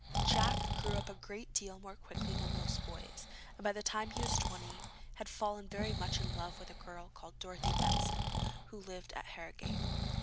Jack grew up a great deal more quickly than most boys, and by the time he was twenty had fallen very much in love with a girl called Dorothy Benson, who lived at Harrogate.